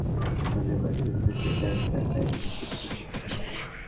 রাজনীতি নিয়ে শ্রেণিকক্ষে আলোচনা হতে পারে, কিন্তু সেটা একটা সায়েন্টিফিক ডিসিপ্লিন হিসেবে।